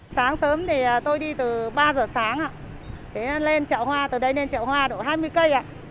sáng sớm thì tôi đi từ ba giờ sáng lên chạo hoa từ đây lên chạo hoa đổ hai mươi cây